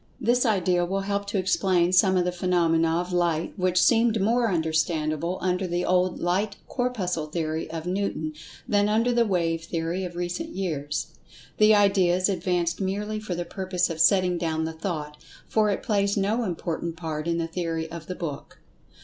This idea will help to explain some of the phenomena of Light, which seemed more understandable under the old Light Corpuscle theory of Newton than under the "wave" theory of recent years. The idea is advanced merely for the purpose of setting down the thought, for it plays no important part in the theory of the book.